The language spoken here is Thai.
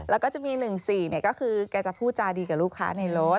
แล้วก็จะมี๑๔ก็คือแกจะพูดจาดีกับลูกค้าในรถ